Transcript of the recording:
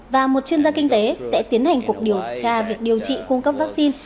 và một chuyên gia kinh tế sẽ tiến hành cuộc điều tra việc điều trị cung cấp vaccine